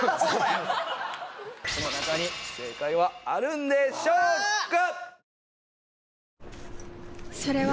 この中に正解はあるんでしょうか